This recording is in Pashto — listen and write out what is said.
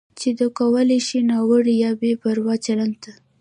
چې دا کولی شي ناوړه یا بې پروا چلند ته